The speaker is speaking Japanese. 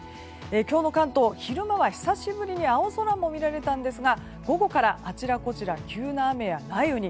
今日の関東、昼間は久しぶりに青空も見られたんですが午後からあちらこちら急な雨や雷雨に。